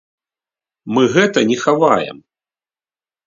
Мы гэтага не хаваем.